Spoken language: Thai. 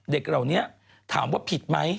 เด็กเหล่านี้ถามว่าผิดไหม